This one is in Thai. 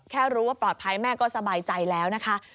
รู้ว่าปลอดภัยแม่ก็สบายใจแล้วนะคะ